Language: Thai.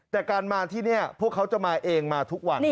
แต่การมาที่นี่พวกเขาจะมาเองมาทุกวัน